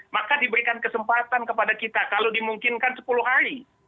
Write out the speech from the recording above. maka diberikan kesempatan kepada kita kalau dimungkinkan sepuluh hari